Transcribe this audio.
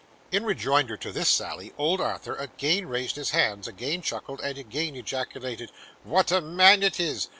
In rejoinder to this sally, old Arthur again raised his hands, again chuckled, and again ejaculated 'What a man it is!